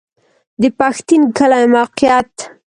د پښتین کلی موقعیت